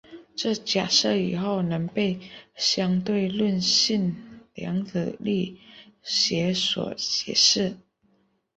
这假设以后能被相对论性量子力学所解释。